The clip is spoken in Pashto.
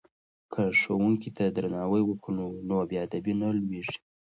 که ښوونکي ته درناوی وکړو نو بې ادبه نه لویږو.